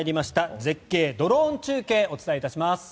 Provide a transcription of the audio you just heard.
絶景ドローン中継をお伝えします。